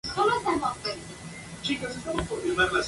Nico responderá con un Si o un No a las preguntas de los concursantes.